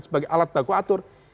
sebagai alat baku atur